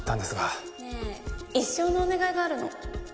ねえ一生のお願いがあるの。